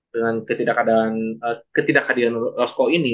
dengan ketidak hadiran roscoe ini